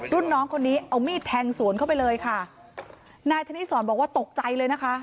รุ่นน้องคนนี้เอามีดแทงสวนเข้าไปเลยค่ะนายธนิสรบอกว่าตกใจเลยนะคะ